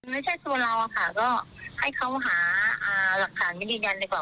ไม่ใช่ตัวเราค่ะก็ให้เขาหาหลักฐานนี้ดีกว่า